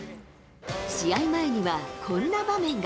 試合前にはこんな場面が。